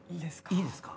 いいですか？